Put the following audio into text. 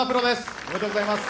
おめでとうございます。